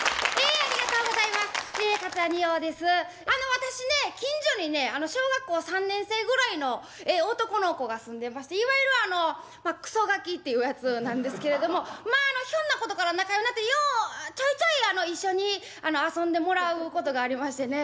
私ね近所にね小学校３年生ぐらいの男の子が住んでましていわゆるあのくそガキっていうやつなんですけれどもまああのひょんなことから仲ようなってようちょいちょい一緒に遊んでもらうことがありましてね